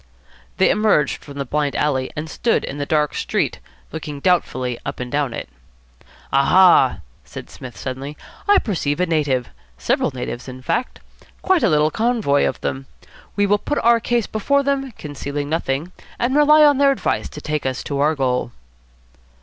They emerged from the blind alley and stood in the dark street, looking doubtfully up and down it. "Aha!" said Psmith suddenly, "I perceive a native. Several natives, in fact. Quite a little covey of them. We will put our case before them, concealing nothing, and rely on their advice to take us to our goal."